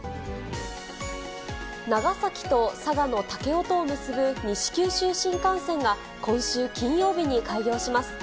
長崎と佐賀の武雄とを結ぶ西九州新幹線が、今週金曜日に開業します。